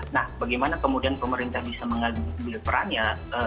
nah bagaimana kemudian pemerintah bisa mengagumi diri perannya